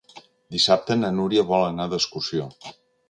Dissabte na Núria vol anar d'excursió.